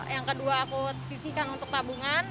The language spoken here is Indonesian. yang kedua aku sisihkan untuk tabungan